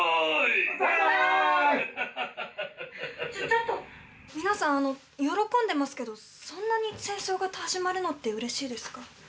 ちょっと皆さん喜んでますけどそんなに戦争が始まるのってうれしいですか？